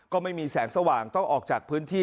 ก็ไม่มีแสงสว่างต้องออกจากพื้นที่